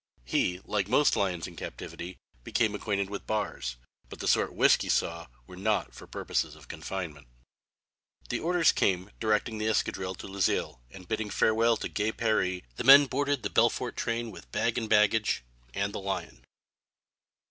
He, like most lions in captivity, became acquainted with bars, but the sort "Whiskey" saw were not for purposes of confinement. The orders came directing the escadrille to Luxeuil and bidding farewell to gay "Paree" the men boarded the Belfort train with bag and baggage and the lion.